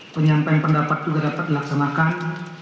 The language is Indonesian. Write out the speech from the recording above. penyampaian pendapat juga dapat dilaksanakan